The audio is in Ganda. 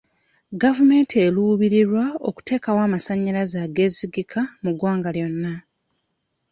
Gavumenti eruubirirwa okuteekawo amasanyalaze agesigika mu ggwanga lyonna.